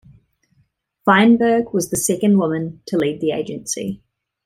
Feinberg was the second woman to lead the agency.